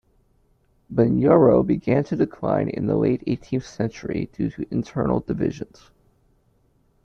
Bunyoro began to decline in the late eighteenth century due to internal divisions.